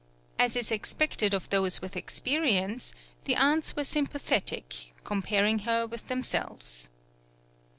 As is expected of those with experience, the aunts were sympathetic, comparing her with them selves.